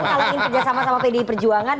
kalau ingin kerjasama sama pdi perjuangan